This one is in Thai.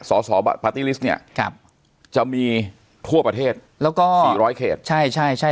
สอสอปาร์ตี้ลิสต์เนี่ยจะมีทั่วประเทศแล้วก็สี่ร้อยเขตใช่ใช่